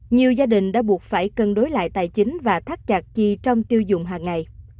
nhiều gia đình đã buộc phải cân đối lại tài chính và thắt chặt chi trong tiêu dùng hàng ngày